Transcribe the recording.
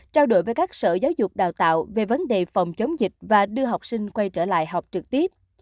trao đổi với các sở giáo dục đào tạo về vấn đề phòng chống dịch và đưa học sinh quay trở lại học trực tiếp